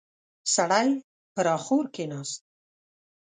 سړی پر اخور کېناست.